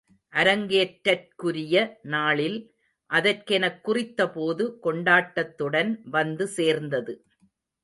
அரங்கேற்றற்குரிய நாளில் அதற்கெனக் குறித்த போது கொண்டாட்டத்துடன் வந்து சேர்ந்தது.